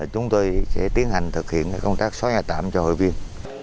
chúng tôi sẽ tiến hành thực hiện công tác xóa nhà tạm cho hội viên